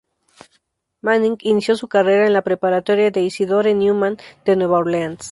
Manning inició su carrera en la preparatoria Isidore Newman de Nueva Orleans.